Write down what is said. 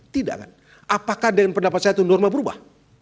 tidak kan apakah dengan pendapat saya itu norma berubah